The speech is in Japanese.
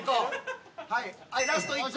はいラスト１個。